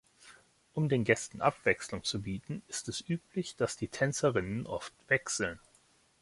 Um den Gästen Abwechslung zu bieten, ist es üblich, dass die Tänzerinnen oft wechseln.